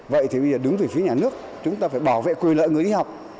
vậy thì bây giờ đứng về phía nhà nước chúng ta phải bảo vệ quyền lợi người đi học